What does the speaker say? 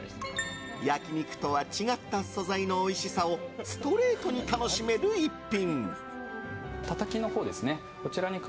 焼き肉とは違った素材のおいしさをストレートに楽しめる一品。